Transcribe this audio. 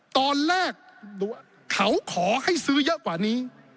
ตอนแรกเขาขอให้ซื้อเยอะกว่านี้